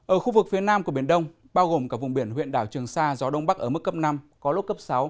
ở khu vực phía nam của biển đông bao gồm cả vùng biển huyện đảo trường sa gió đông bắc ở mức cấp năm có lúc cấp sáu